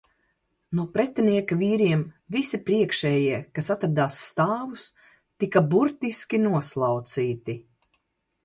No pretinieka vīriem visi priekšējie, kas atradās stāvus, tika burtiski noslaucīti.